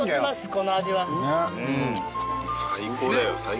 この味は。